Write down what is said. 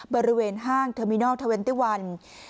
บริเวณห้างเทอร์มินอลเทอร์เวนตี้วัน